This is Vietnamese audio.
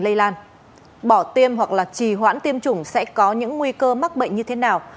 lây lan bỏ tiêm hoặc là trì hoãn tiêm chủng sẽ có những nguy cơ mắc bệnh như thế nào